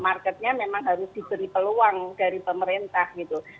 marketnya memang harus diberi peluang dari pemerintah gitu